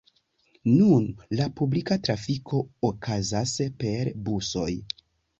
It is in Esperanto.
Nun la publika trafiko okazas per busoj.